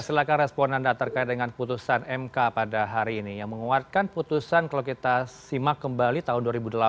silahkan respon anda terkait dengan putusan mk pada hari ini yang menguatkan putusan kalau kita simak kembali tahun dua ribu delapan